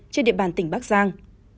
trên địa bàn tỉnh bắc giang